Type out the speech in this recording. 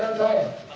nah jangan saya